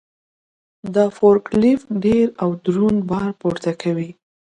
دا فورک لیفټ ډېر او دروند بار پورته کوي.